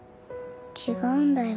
違うんだよ。